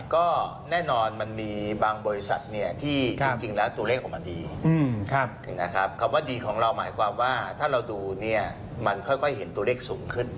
ก็แน่นอนมันมีบางบริษัทที่จริงแล้วตัวเลขออกมาดีนะครับคำว่าดีของเราหมายความว่าถ้าเราดูเนี่ยมันค่อยเห็นตัวเลขสูงขึ้น